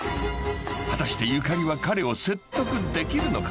［果たしてゆかりは彼を説得できるのか？］